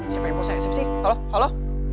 siapa yang posesif sih halo halo